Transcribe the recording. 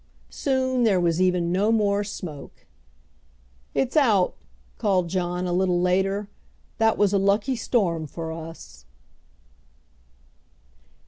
Soon there was even no more smoke! "It's out!" called John, a little later. "That was a lucky storm for us."